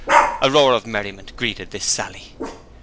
A roar of merriment greeted this sally.